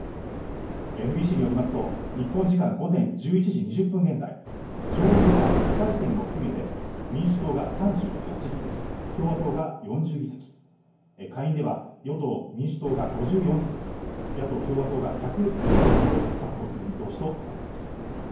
ＮＢＣによりますと、日本時間午前１１時２０分現在、上院では非改選も含めて民主党が３８議席、共和党が４０議席、下院では与党・民主党が５４議席、野党・共和党が１０２議席を確保する見通しとなっています。